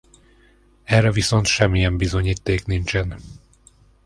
Erre viszont semmilyen bizonyíték nincsen.